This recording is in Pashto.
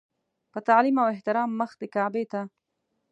په تعلیم او احترام مخ د کعبې ته.